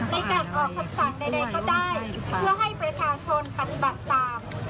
ในการออกคำสั่งใดก็ได้เพื่อให้ประชาชนปฏิบัติตาม